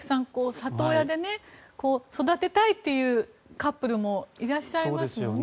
里親で育てたいというカップルもいらっしゃいますよね。